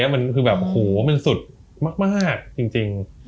มันคือแบบโหมันสุดมากจริง